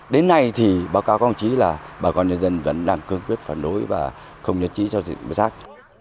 đến nay thì báo cáo công trí là bà con nhân dân vẫn đang cương quyết phản đối và không nhận trí cho dịch vụ rác